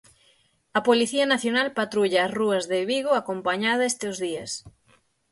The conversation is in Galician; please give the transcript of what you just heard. A Policía Nacional patrulla as rúas de Vigo acompañada estes días.